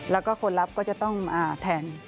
แล้วก็คนรับก็จะต้องแทน